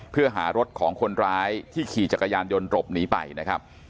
เพื่อหารถของคนร้ายที่ขี่จักรยานยนต์หลบหนีไปนะครับ